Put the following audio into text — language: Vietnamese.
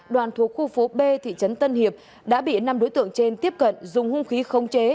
đoàn thuộc khu phố b thị trấn tân hiệp đã bị năm đối tượng trên tiếp cận dùng hung khí không chế